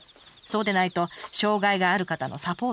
そうでないと障害がある方のサポートは務まりません。